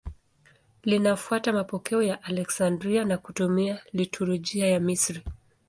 Linafuata mapokeo ya Aleksandria na kutumia liturujia ya Misri.